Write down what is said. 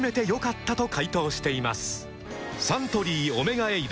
サントリー「オメガエイド」